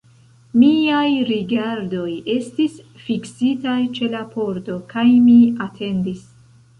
Miaj rigardoj estis fiksitaj ĉe la pordo, kaj mi atendis.